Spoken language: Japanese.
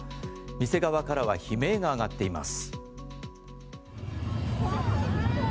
店側からは悲鳴が上がっています。